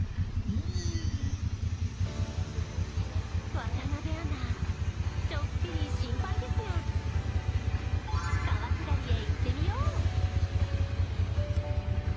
渡部アナ、ちょっぴり心配ですが川下りへ行ってみよう！